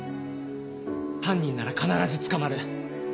犯人なら必ず捕まる。